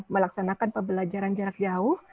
melaksanakan pembelajaran jarak jauh